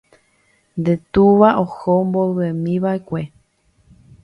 nde túva oho mboyvemiva'ekue.